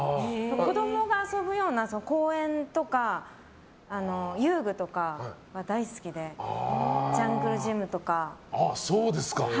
子供が遊ぶような公園とか遊具とかが大好きでジャングルジムとか。